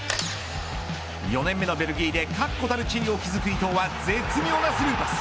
４年目のベルギーで確固たる地位を築く伊東は絶妙なスルーパス。